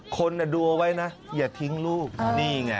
คนดูเอาไว้นะอย่าทิ้งลูกนี่ไง